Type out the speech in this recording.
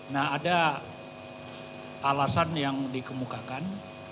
nah ada alasan yang dikemukakan